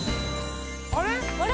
あれ？